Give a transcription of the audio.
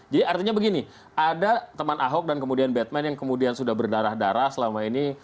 jadi artinya begini ada teman ahok dan kemudian batman yang kemudian sudah berdarah darah selama ini